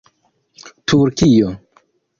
turkio